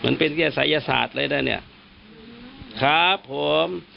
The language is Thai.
มันเป็นไกล่ศัยศาสตร์เลยนี้ครับผม